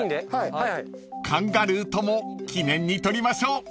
［カンガルーとも記念に撮りましょう］